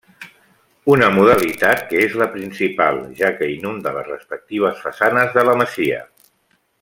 Una modalitat que és la principal, ja que inunda les respectives façanes de la masia.